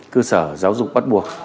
cơ sở giáo dục bắt buộc